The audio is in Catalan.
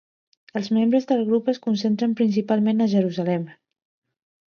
Els membres del grup es concentren principalment a Jerusalem.